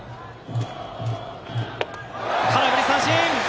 空振り三振！